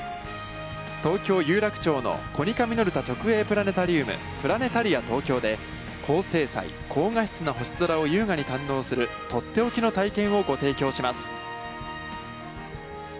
東京・有楽町のコニカミノルタ直営プラネタリウム「プラネタリアＴＯＫＹＯ」で、高精細・高画質な星空を優雅に堪能する、とっておきの体験をご提供します。